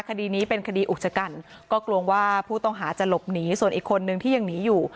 คดีนี้เป็นคดีอุกชกันก็กลัวว่าผู้ต้องหาจะหลบหนีส่วนอีกคนนึงที่ยังหนีอยู่